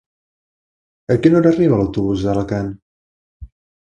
A quina hora arriba l'autobús d'Alacant?